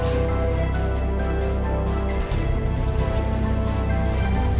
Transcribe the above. ini kita sambil makan lagi ya